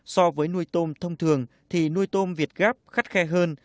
so với nuôi tôm thông thường thì nuôi tôm việt gáp khắt khe hơn